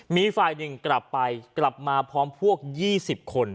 มีฝ่ายหนึ่งกลับไปกลับมาพร้อมพวก๒๐คน